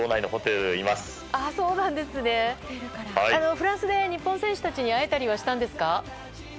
フランスで日本選手たちに会えたりしましたか？